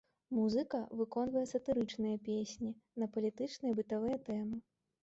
Музыка выконвае сатырычныя песні на палітычныя і бытавыя тэмы.